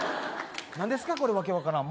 何ですか、これわけ分からん。